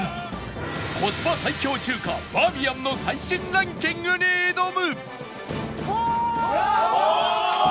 コスパ最強中華バーミヤンの最新ランキングに挑む！